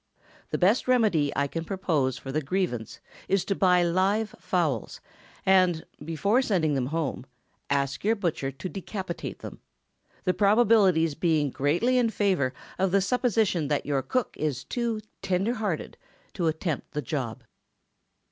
The best remedy I can propose for the grievance is to buy live fowls, and, before sending them home, ask your butcher to decapitate them; the probabilities being greatly in favor of the supposition that your cook is too "tinder hearted" to attempt the job.